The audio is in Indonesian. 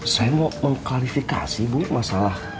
saya mau mengkualifikasi bu masalah